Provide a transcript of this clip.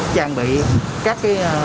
trang bị các